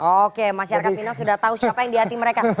oke masyarakat minang sudah tahu siapa yang di hati mereka